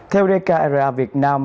theo dkra việt nam